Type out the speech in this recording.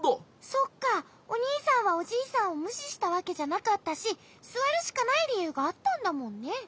そっかおにいさんはおじいさんをむししたわけじゃなかったしすわるしかないりゆうがあったんだもんね。